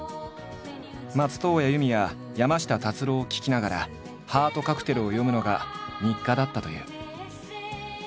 松任谷由実や山下達郎を聴きながら「ハートカクテル」を読むのが日課だったという。